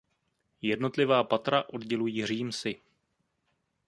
Jednotlivá patra oddělují římsy.